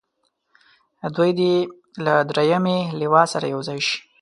دوی دې له دریمې لواء سره یو ځای شي.